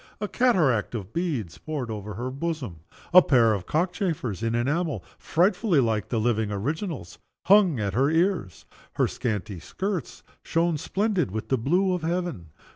A cataract of beads poured over her bosom. A pair of cock chafers in enamel (frightfully like the living originals) hung at her ears. Her scanty skirts shone splendid with the blue of heaven.